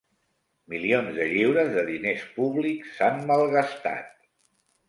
Milions de lliures de diners públics s'han malgastat.